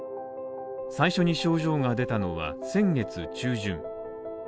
最初に症状が出たのは、先月中旬。